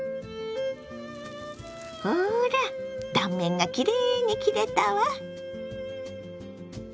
ほら断面がきれいに切れたわ！